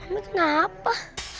mamit tidak apa